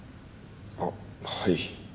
あっはい。